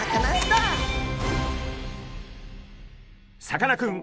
さかなクン